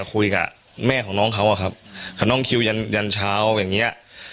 คุยกับแม่ของน้องเขาอะครับน้องคิวยันยันเช้าอย่างเงี้ย